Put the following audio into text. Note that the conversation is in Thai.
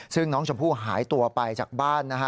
ซึ่งน้องชมพู่หายตัวไปจากบ้านนะฮะ